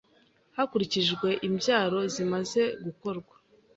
hakurikijwe imbyaro zimaze gukorwa